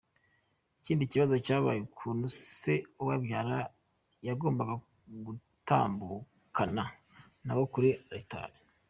Ikindi kibazo cyabaye ukuntu se ubabyara yagombaga gutambukana nabo kuri altar.